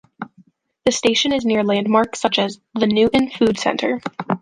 The station is near landmarks such as the Newton Food Centre.